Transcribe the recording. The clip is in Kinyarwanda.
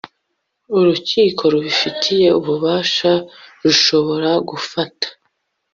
urukiko rubifitiye ububasha rushobora gufata